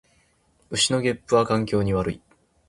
牛のげっぷは環境に悪い